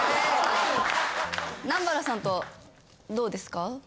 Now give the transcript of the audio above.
南原さんとどうですか？